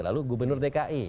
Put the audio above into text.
lalu gubernur dki